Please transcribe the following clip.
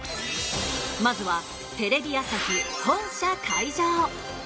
まずはテレビ朝日本社会場。